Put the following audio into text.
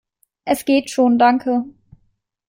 Es geht schon, danke!